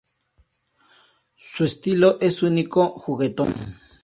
Su estilo es único, juguetón.